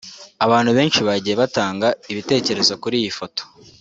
Abantu benshi bagiye batanga ibitekerezo kuri iyi foto